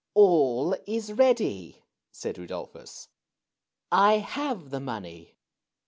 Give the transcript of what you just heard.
''All is ready," said Rudolphus. "1 have the money."